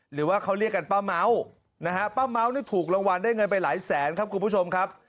หรือว่าเขาเรียกกันป้าเม้านะฮะป้าเม้านี่ถูกรางวัลได้เงินไปหลายแสนครับคุณผู้ชมครับ